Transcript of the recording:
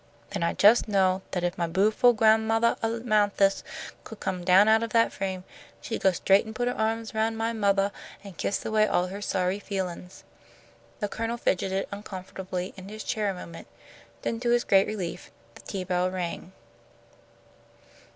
"Then I jus' know that if my bu'ful gran'mothah Amanthis could come down out of that frame, she'd go straight and put her arms around my mothah an' kiss away all her sorry feelin's." The Colonel fidgeted uncomfortably in his chair a moment. Then to his great relief the tea bell rang.